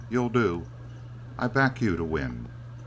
"You'll do! I back you to win!"